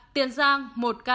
tiền giang một ca